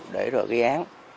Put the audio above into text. để rồi gây án